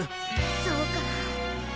そうか。